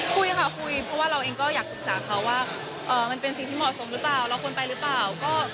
คุยค่ะคุยเพราะว่าเราเองก็อยากปรึกษาเขาว่ามันเป็นสิ่งที่เหมาะสมหรือเปล่าเราควรไปหรือเปล่า